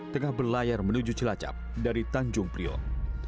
tengah berlayar menuju cilacap dari tanjung priok